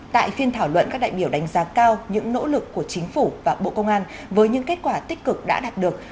tại phiên thảo luận các đại biểu đánh giá cao những nỗ lực của chính phủ và bộ công an với những kết quả tích cực đã đạt được